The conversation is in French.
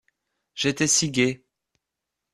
J’étais si gaie!